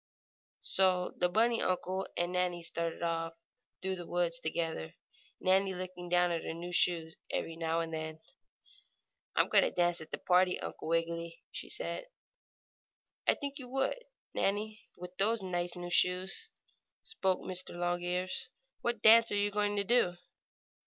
So the bunny uncle and Nannie started off through the woods together, Nannie looking down at her new shoes every now and then. "I'm going to dance at the party, Uncle Wiggily!" she said. "I should think you would, Nannie, with those nice new shoes," spoke Mr. Longears. "What dance are you going to do?"